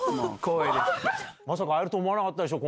まさか会えると思わなかったでしょ、